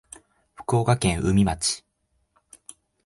福岡県宇美町